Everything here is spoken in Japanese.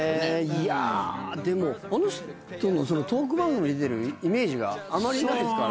いやでもあの人のトーク番組出てるイメージがあまりないですから。